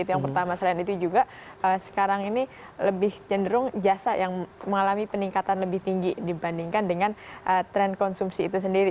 yang pertama selain itu juga sekarang ini lebih cenderung jasa yang mengalami peningkatan lebih tinggi dibandingkan dengan tren konsumsi itu sendiri